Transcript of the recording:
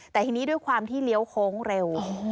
แต่ทีนี้ด้วยความที่เลี้ยวโค้งเร็ว